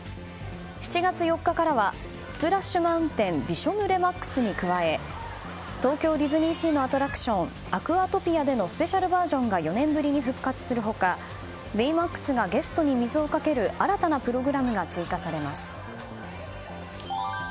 ７月４日からは「スプラッシュ・マウンテン“びしょ濡れＭＡＸ”」に加え東京ディズニーシーのアトラクションアクアトピアでのスペシャルバージョンが４年ぶりに復活する他ベイマックスがゲストに水をかける新たなプログラムが追加されます。